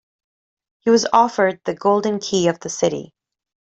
He was offered the golden key of the city.